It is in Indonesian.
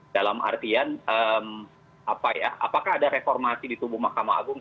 dalam artian apakah ada reformasi di tubuh mahkamah agung